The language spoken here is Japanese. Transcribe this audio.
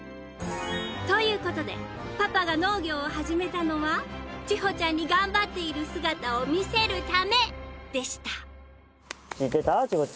という事でパパが農業を始めたのは千穂ちゃんに頑張っている姿を見せるためでした。